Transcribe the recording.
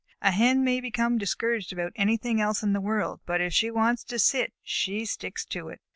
A Hen may become discouraged about anything else in the world, but if she wants to sit, she sticks to it.